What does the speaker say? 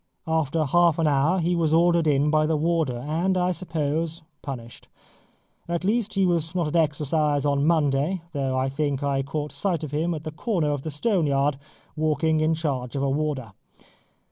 After half an hour, he was ordered in by the warder, and, I suppose, punished. At least he was not at exercise on Monday, though I think I caught sight of him at the corner of the stone yard, walking in charge of a warder.